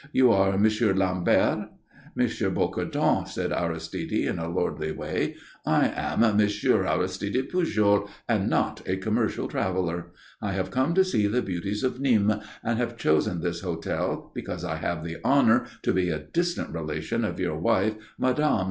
You are M. Lambert?" "M. Bocardon," said Aristide, in a lordly way, "I am M. Aristide Pujol, and not a commercial traveller. I have come to see the beauties of Nîmes, and have chosen this hotel because I have the honour to be a distant relation of your wife, Mme.